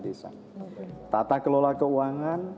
desa tata kelola keuangan